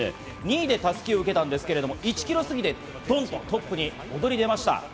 ２位で襷を受けたんですが、１キロ過ぎでドンとトップに躍り出ました。